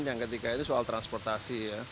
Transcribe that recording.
yang ketiga itu soal transportasi ya